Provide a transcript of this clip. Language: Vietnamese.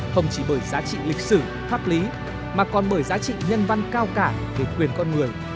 không chỉ bởi giá trị lịch sử pháp lý mà còn bởi giá trị nhân văn cao cả về quyền con người